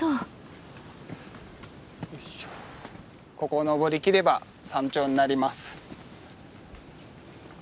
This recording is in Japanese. ここを登りきれば山頂になります。